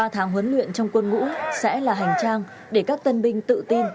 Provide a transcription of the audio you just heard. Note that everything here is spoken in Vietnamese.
ba tháng huấn luyện trong quân ngũ sẽ là hành trang để các tân binh tự tin